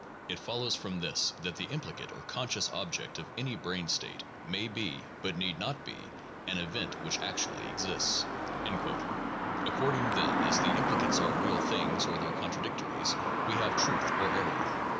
... It follows from this that the implicate or conscious object of any brain state may be, but need not be, an event which actually exists" (p. 287). According, then, as the implicates are real things or their contradic tories we have truth or error.